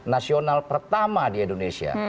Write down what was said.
nasional pertama di indonesia